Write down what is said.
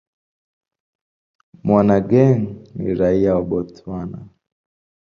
Monageng ni raia wa Botswana.